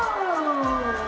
tiga dua satu